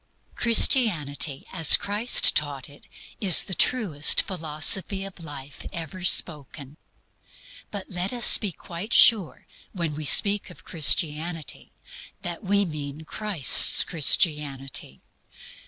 Christianity as Christ taught is the truest philosophy of life ever spoken. But let us be quite sure when we speak of Christianity that we mean Christ's Christianity.